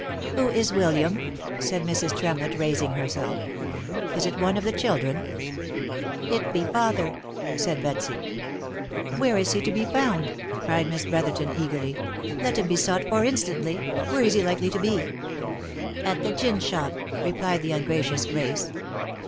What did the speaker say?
" Who is William?" said Mrs. Tremlett raising herself, " Is it one of the children ?"" It be father," said Betsy. 136 THE LIFE AND ADVENTURES " Where is he to be found ?" cried Miss Brotherton, eagerly. "Let him be sought for instantly — where is he likely to be?" ?' At the gin shop," replied the ungracious Grace.